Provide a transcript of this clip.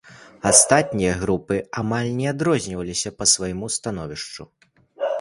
Астатнія групы амаль не адрозніваліся па свайму становішчу.